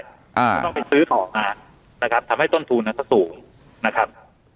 เขาต้องไปซื้อจอมมานะครับทำให้ต้นทุนเขาสูงนะครับ